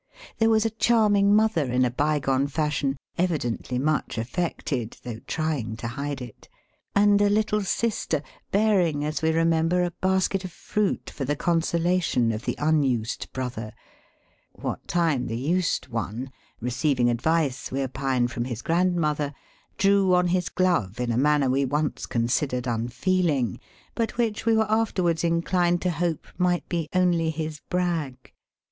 There was a charming mother in a bygone fashion, evidently much affected though trying to hide it ; and a little sister, bearing, as we remember, a basket of fruit for the consolation of the unused brother ; what time the used one, receiving advice we opine from his grandmother, drew on his glove in a manner we once considered unfeeling, but which we were afterwards inclined to hope might be only his brag.